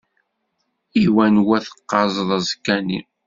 I wanwa teqqazeḍ aẓekka-nni?